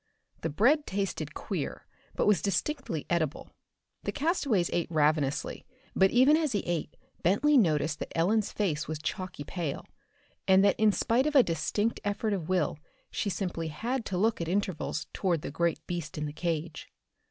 The bread tasted queer but was distinctly edible. The castaways ate ravenously, but even as he ate Bentley noticed that Ellen's face was chalky pale, and that in spite of a distinct effort of will she simply had to look at intervals toward the great beast in the cage.